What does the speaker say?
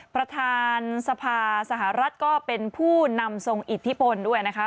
ประธานสภาสหรัฐก็เป็นผู้นำทรงอิทธิพลด้วยนะคะ